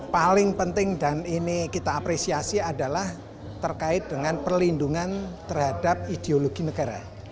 paling penting dan ini kita apresiasi adalah terkait dengan perlindungan terhadap ideologi negara